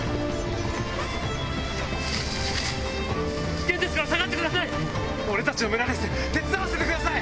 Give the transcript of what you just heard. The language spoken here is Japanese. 危険ですから下がってください！